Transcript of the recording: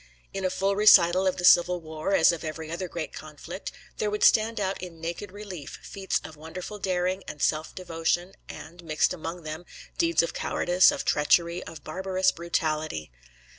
In a full recital of the civil war, as of every other great conflict, there would stand out in naked relief feats of wonderful daring and self devotion, and, mixed among them, deeds of cowardice, of treachery, of barbarous brutality.